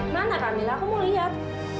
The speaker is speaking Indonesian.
mana kami aku mau lihat